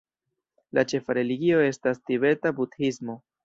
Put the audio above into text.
La ĉefa religio estas tibeta budhismo.